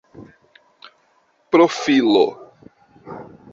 profilo